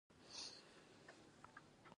کاکتوس په دښته کې اوبه ذخیره کوي